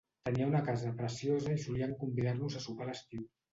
Tenia una casa preciosa i solien convidar-nos a sopar a l'estiu